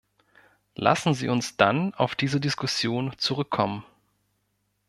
Lassen Sie uns dann auf diese Diskussion zurückkommen.